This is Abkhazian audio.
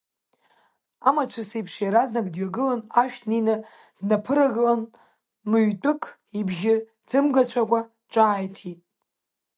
Амацәыс еиԥш, иаразнак дҩагылан, ашә днеины днаԥырагылан, мыҩтәык ибжьы ҭымгацәакәа ҿааиҭит…